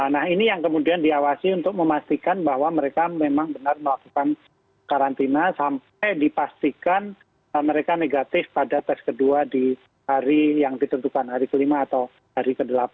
nah ini yang kemudian diawasi untuk memastikan bahwa mereka memang benar melakukan karantina sampai dipastikan mereka negatif pada tes kedua di hari yang ditentukan hari kelima atau hari ke delapan